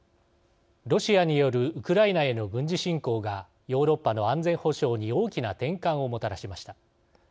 ロシアによるウクライナへの軍事侵攻がヨーロッパの安全保障に大きな転換をもたらしました。